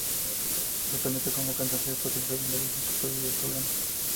Su talento como cantante fue utilizado en varios episodios del programa.